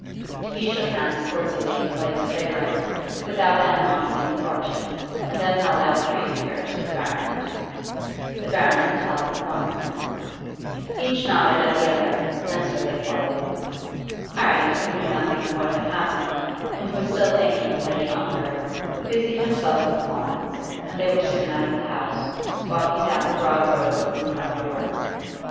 He shook hands cordially with Lady Clavering, without animosity with Archie, and then held out three fingers to the baronet. The baronet held out one finger. Each nodded at the other, and so they parted. Harry, who knew nothing of what had happened, and who was still thinking of Lady Ongar, busied himself with Florence, and they were soon out of the house, walking down the broad road from the front door.